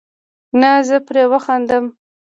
نو زۀ پورې وخاندم ـ